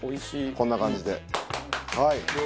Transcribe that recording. こんな感じで。